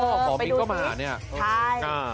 ของบอบปิ๊กก็มาเนี่ยใช่